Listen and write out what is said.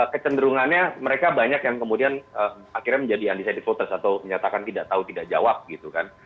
kecenderungannya mereka banyak yang kemudian akhirnya menjadi undecided voters atau menyatakan tidak tahu tidak jawab gitu kan